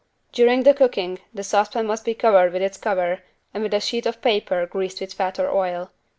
During the cooking the saucepan must be covered with its cover and with a sheet of paper greased with fat or oil.